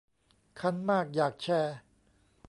คันมากอยากแชร์